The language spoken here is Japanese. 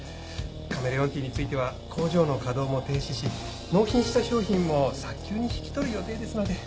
カメレオンティーについては工場の稼働も停止し納品した商品も早急に引き取る予定ですので。